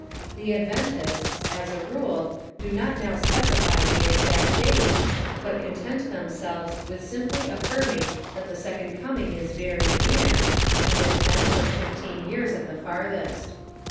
The Adven tists, as a rule, do not now specify the exact date, but contend themselves with simi»ly affirming that the Second Coming is very near, within ten or fifteen years at the farthest.